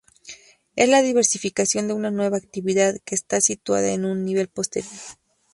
Es la diversificación de una nueva actividad que esta situada en un nivel posterior.